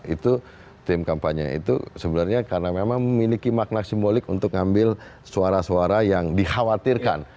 itu tim kampanye itu sebenarnya karena memang memiliki makna simbolik untuk ngambil suara suara yang dikhawatirkan